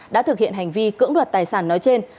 đã thực hiện hành vi cưỡng đoạt tài sản nói trên